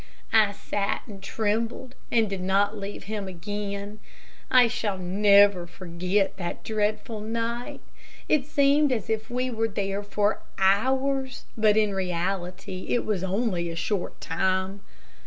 I sat, and trembled, and did not leave him again. I shall never forget that dreadful night. It seemed as if we were there for hours, but in reality it was only a short time.